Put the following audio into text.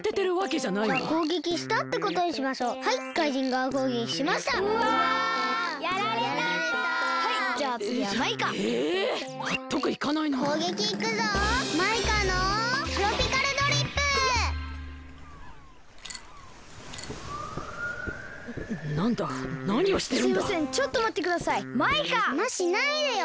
じゃましないでよ！